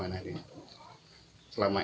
oh nabung itu ya